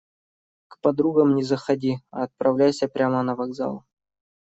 К подругам не заходи, а отправляйся прямо на вокзал.